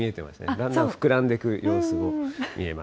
だんだん膨らんでく様子も見えま